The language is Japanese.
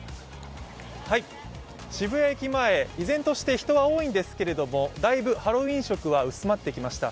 渋谷駅前、依然として人は多いんですけれどもだいぶハロウィーン色は薄まってきました。